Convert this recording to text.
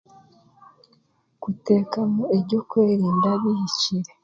Kuteekamu eby'okwerinda bihikire